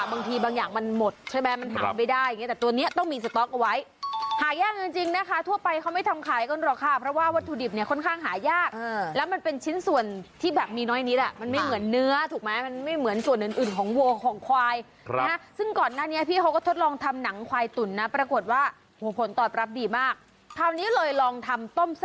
ไปได้อย่างเงี้ยแต่ตัวเนี้ยต้องมีเอาไว้หายากจริงจริงนะคะทั่วไปเขาไม่ทำขายก่อนหรอกค่ะเพราะว่าวัตถุดิบเนี้ยค่อนข้างหายากเออแล้วมันเป็นชิ้นส่วนที่แบบมีน้อยนิดอ่ะมันไม่เหมือนเนื้อถูกไหมมันไม่เหมือนส่วนเนื้ออื่นของของควายนะฮะซึ่งก่อนหน้านี้พี่เขาก็ทดลองทำหนังควายต